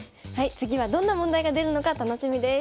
次はどんな問題が出るのか楽しみです。